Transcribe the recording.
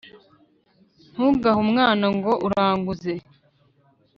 Ntugahe umwana ngo uranguze!”